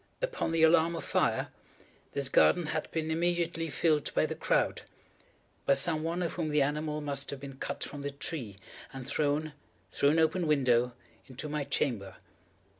Upon the alarm of fire, this garden had been immediately filled by the crowd—by some one of whom the animal must have been cut from the tree and thrown, through an open window, into my chamber.